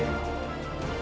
yang bernama gadah selu